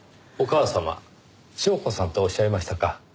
お母様祥子さんとおっしゃいましたか。